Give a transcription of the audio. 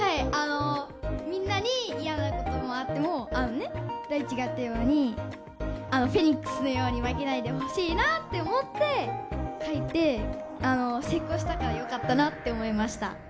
みんなに嫌なこともあっても大馳があったようにフェニックスのように負けないでほしいなって思って書いて成功したからよかったなって思いました。